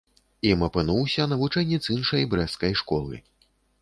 Ім апынуўся навучэнец іншай брэсцкай школы.